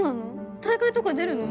大会とか出るの？